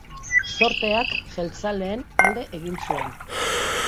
Zorteak jeltzaleen alde egin zuen.